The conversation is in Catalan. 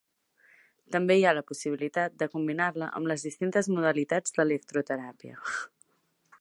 També hi ha la possibilitat de combinar-la amb les distintes modalitats d'electroteràpia.